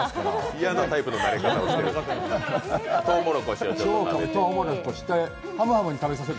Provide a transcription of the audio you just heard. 嫌なタイプの慣れ方をしている。